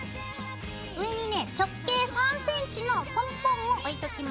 上にね直径３ｃｍのポンポンを置いときます。